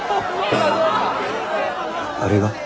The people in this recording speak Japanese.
あれが？